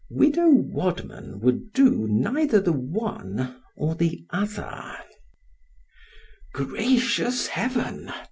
Widow Wadman would do neither the one or the other. ——Gracious heaven!